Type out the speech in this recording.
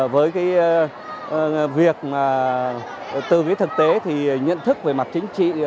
với việc từ thực tế nhận thức về mặt chính trị